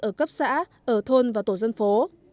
ở cấp xã ở thôn và tổ dân phố